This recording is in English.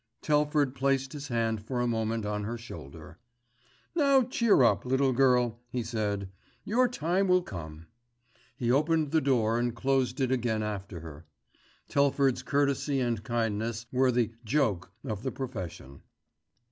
Telford placed his hand for a moment on her shoulder. "Now cheer up, little girl," he said, "Your time will come." He opened the door and closed it again after her—Telford's courtesy and kindness were the "joke" of the profession.